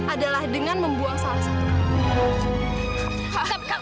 adalah dengan membuang salah satu